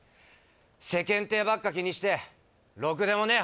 世間体ばっか気にしてろくでもねえ